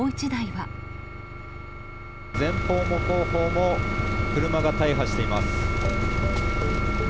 前方も後方も車が大破しています。